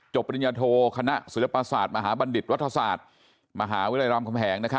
จบบริญญาโทษ์คณะศิลปศาสตร์มหาวิทยาลัยรามเขมี้แห่ง